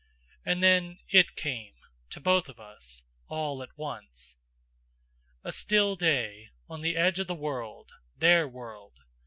And then It came to both of us, all at once. A still day on the edge of the world, their world.